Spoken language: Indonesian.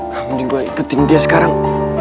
hai amri gua ikutin dia sekarang